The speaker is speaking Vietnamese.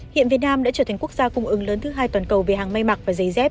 hiện việt nam đã trở thành quốc gia cung ứng lớn thứ hai toàn cầu về hàng may mặc và giấy dép